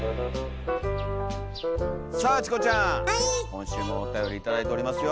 今週もおたより頂いておりますよ。